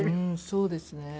そうですね。